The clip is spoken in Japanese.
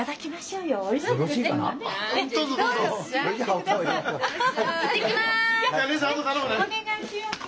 お願いします。